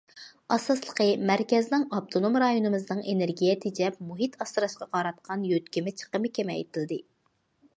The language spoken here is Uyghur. ئاساسلىقى مەركەزنىڭ ئاپتونوم رايونىمىزنىڭ ئېنېرگىيە تېجەپ مۇھىت ئاسراشقا قاراتقان يۆتكىمە چىقىمى كېمەيتىلدى.